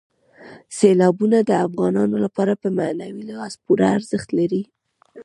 سیلابونه د افغانانو لپاره په معنوي لحاظ پوره ارزښت لري.